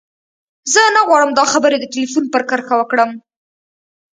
زه نه غواړم دا خبرې د ټليفون پر کرښه وکړم.